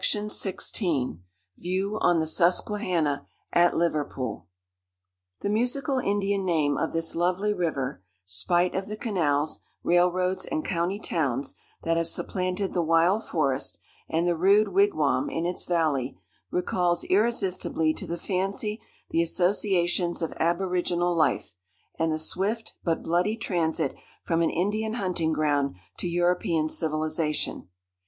VIEW ON THE SUSQUEHANNA, AT LIVERPOOL. The musical Indian name of this lovely river, spite of the canals, rail roads, and county towns, that have supplanted the wild forest, and the rude wigwam in its valley, recalls irresistibly to the fancy the associations of aboriginal life, and the swift but bloody transit from an Indian hunting ground to European civilization.